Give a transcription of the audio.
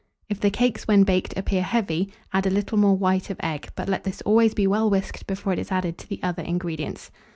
If the cakes, when baked, appear heavy, add a little more white of egg, but let this always be well whisked before it is added to the other ingredients.